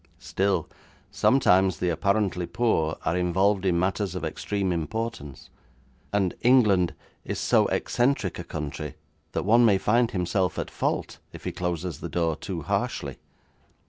Still, sometimes the apparently poor are involved in matters of extreme importance, and England is so eccentric a country that one may find himself at fault if he closes his door too harshly.